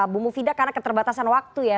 bu mufida karena keterbatasan waktu ya